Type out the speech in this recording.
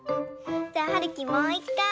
じゃあはるきもういっかい。